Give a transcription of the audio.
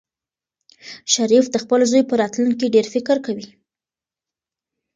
شریف د خپل زوی په راتلونکي ډېر فکر کوي.